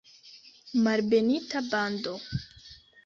Malbenita bando!